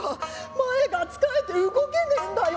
前がつかえて動けねえんだよ」。